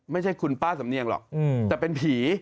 ไม่ใช่คุณป้าสำเนียงหรอกแต่เป็นผี